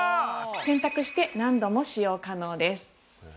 洗濯して何度も使用可能です。